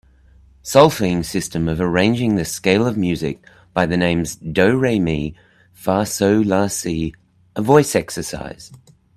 Solfaing system of arranging the scale of music by the names do, re, mi, fa, sol, la, si a voice exercise.